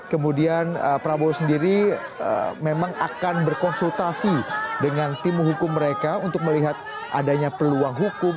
kemudian prabowo sendiri memang akan berkonsultasi dengan tim hukum mereka untuk melihat adanya peluang hukum